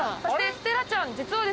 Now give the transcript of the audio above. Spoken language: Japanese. ステラちゃん実はですね